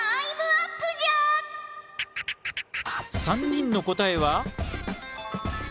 ３人の答えは。